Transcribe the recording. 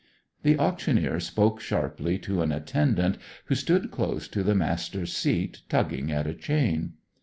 The auctioneer spoke sharply to an attendant who stood close to the Master's seat tugging at a chain.